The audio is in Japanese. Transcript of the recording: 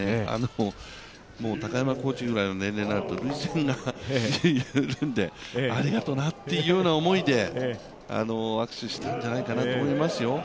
高山コーチぐらいの年齢になると涙腺が緩んで、ありがとなっていうような思いで握手したんじゃないかなと思いますよ。